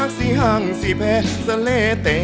ขอบคุณมาก